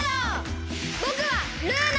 ぼくはルーナ！